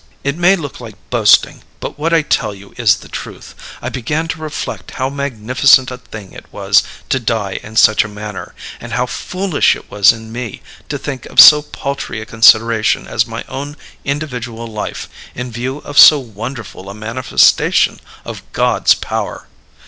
"It may look like boasting, but what I tell you is the truth: I began to reflect how magnificent a thing it was to die in such a manner, and how foolish it was in me to think of so paltry a consideration as my own individual life, in view of so wonderful a manifestation of God's power.